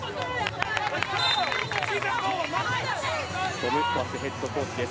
トム・ホーバスヘッドコーチです。